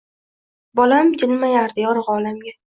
Bolam jilmayardi yorug‘ olamga